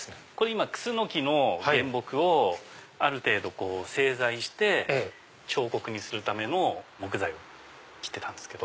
今クスの木の原木をある程度製材して彫刻にするための木材を切ってたんですけど。